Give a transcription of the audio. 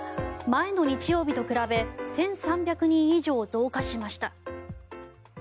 前の日曜日と比べ１３００人以上増加しました。